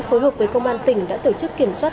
phối hợp với công an tỉnh đã tổ chức kiểm soát